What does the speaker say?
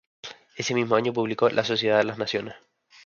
Ese mismo año publicó "La Sociedad de las Naciones".